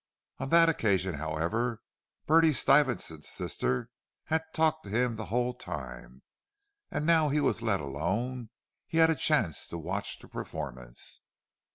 On that occasion, however, Bertie Stuyvesant's sister had talked to him the whole time, while now he was let alone, and had a chance to watch the performance.